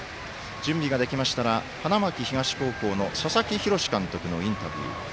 準備ができましたら花巻東高校の佐々木洋監督のインタビュー。